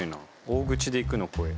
大口で行くの怖え。